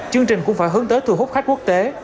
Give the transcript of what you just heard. chương trình cũng phải hướng tới thu hút khách quốc tế